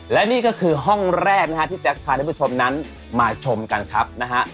และนี่ก็คือห้องแรกนะฮะที่แจ๊คพาท่านผู้ชมนั้นมาชมกันครับนะฮะ